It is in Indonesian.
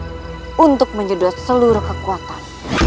tidak sabar untuk menyedot seluruh kekuatan